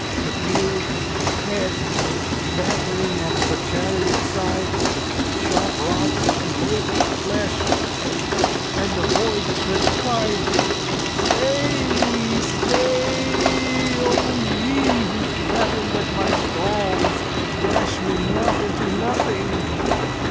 A dear head battering at the chariot side, Sharp rocks, and rippled flesh, and a voice that cried: "Stay, stay, O ye who fattened at my stalls, Dash me not into nothing!